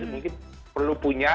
mungkin perlu punya